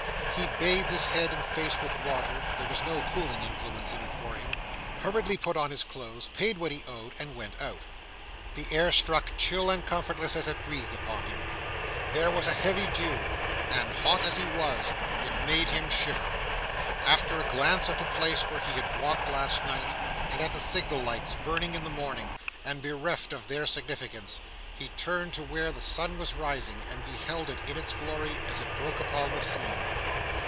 He bathed his head and face with water—there was no cooling influence in it for him—hurriedly put on his clothes, paid what he owed, and went out. The air struck chill and comfortless as it breathed upon him. There was a heavy dew; and, hot as he was, it made him shiver. After a glance at the place where he had walked last night, and at the signal lights burning in the morning, and bereft of their significance, he turned to where the sun was rising, and beheld it, in its glory, as it broke upon the scene.